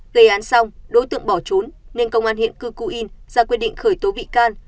gây án xong đối tượng bỏ trốn nên công an huyện cư cu yên ra quyết định khởi tố bị can